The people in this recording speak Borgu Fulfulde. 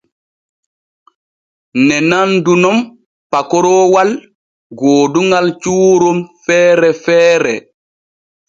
Ne nandu nun pakoroowal gooduŋal cuuron feere feere.